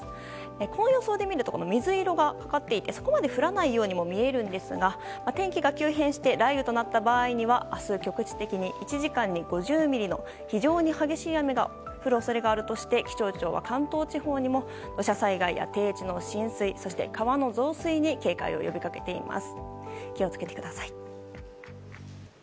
こういう予想で見ると水色がかかっていてそこまで降らないように見えるんですが、天気が急変して雷雨となった場合には明日、局地的に１時間に５０ミリの非常に激しい雨が降る恐れがあるとして気象庁は関東地方にも土砂災害や低地の浸水そして、川の増水に警戒を呼びかけています。